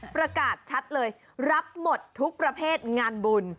ประกาศชัดเลยรับหมดทุกประเภทงานบุญ